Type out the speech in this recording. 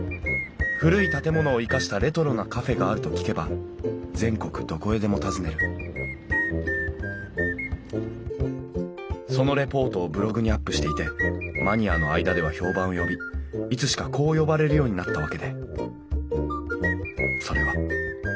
古い建物を生かしたレトロなカフェがあると聞けば全国どこへでも訪ねるそのレポートをブログにアップしていてマニアの間では評判を呼びいつしかこう呼ばれるようになったわけで。